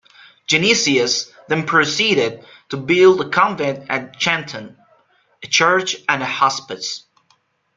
Genesius then proceeded to build a convent at Chantoin, a church and a hospice.